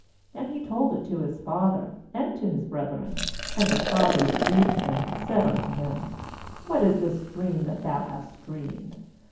10And he told it to his father, and to his breth ren; and his father rebuked him, and said unto him: 'What is this dream that thou hast dreamed?